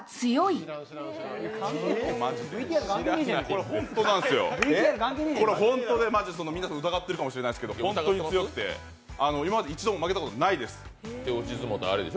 これ、本当なんですよ、みんな疑ってるかもしれないけど本当に強くて今まで一度も負けたことがないです。